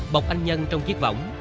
bọc anh nhân trong chiếc vỏng